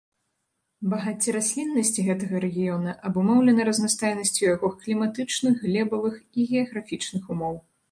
Багацце расліннасці гэтага рэгіёна абумоўлена разнастайнасцю яго кліматычных, глебавых і геаграфічных умоў.